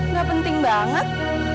gak penting banget